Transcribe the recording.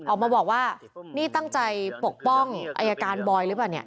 ออกมาบอกว่านี่ตั้งใจปกป้องอายการบอยหรือเปล่าเนี่ย